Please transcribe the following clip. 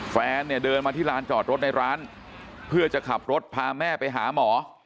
แฟนเนี่ยเดินมาที่ลานจอดรถในร้านเพื่อจะขับรถพาแม่ไปหาหมอ